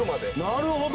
なるほど！